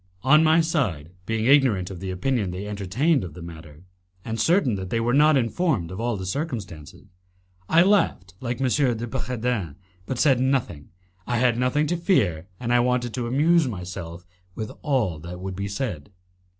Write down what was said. On my side, being ignorant of the opinion they entertained of the matter, and certain that they were not informed of all the circumstances, I laughed like M. de Bragadin, but said nothing. I had nothing to fear, and I wanted to amuse myself with all that would be said.